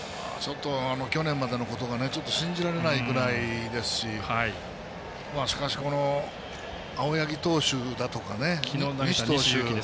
去年までのことが信じられないぐらいですししかし、この青柳投手だとかね西投手。